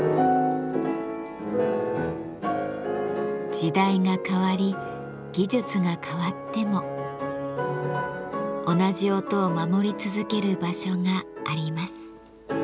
時代が変わり技術が変わっても同じ音を守り続ける場所があります。